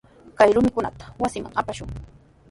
Kay rumikunata wasinman apashun.